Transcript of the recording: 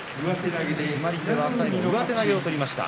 決まり手は上手投げを取りました。